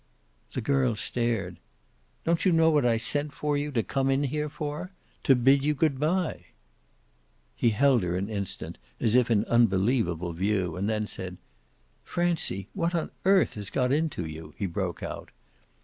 The girl stared. "Don't you know what I sent for you to come in here for? To bid you good bye." He held her an instant as if in unbelievable view, and then "Francie, what on earth has got into you?" he broke out.